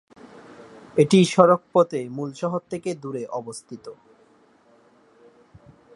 এটি সড়ক পথে মূল শহর থেকে দূরে অবস্থিত।